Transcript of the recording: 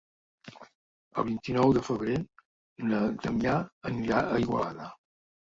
El vint-i-nou de febrer na Damià anirà a Igualada.